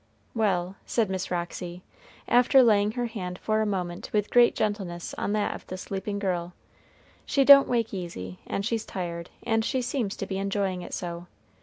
"Well," said Miss Roxy, after laying her hand for a moment with great gentleness on that of the sleeping girl, "she don't wake easy, and she's tired; and she seems to be enjoying it so.